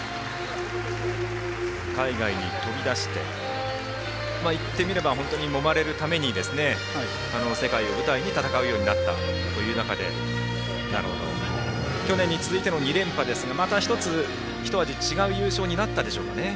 海外に飛び出していってみれば本当に、もまれるために世界を舞台に戦うようになったという中で去年に続いての２連覇ですがまた１つ、ひと味違う優勝になったでしょうね。